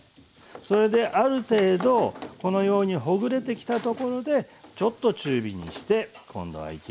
それである程度このようにほぐれてきたところでちょっと中火にして今度はいきます。